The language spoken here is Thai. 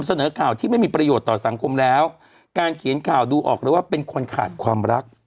อืมอืมอืมอืมอืม